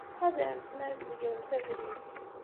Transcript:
Ttḥadaremt mi ara tzegremt abrid.